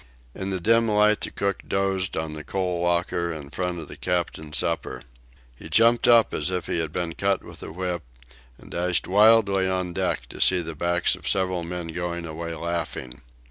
In the dim light the cook dozed on the coal locker in front of the captain's supper. He jumped up as if he had been cut with a whip, and dashed wildly on deck to see the backs of several men going away laughing.